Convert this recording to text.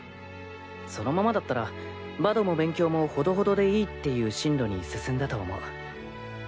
そのままだったらバドも勉強もほどほどでいいっていう進路に進んだと思う。